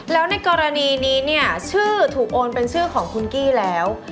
แล้วในกรณีนี้เนี่ยชื่อถูกโอนเป็นชื่อของคุณกี้แล้ว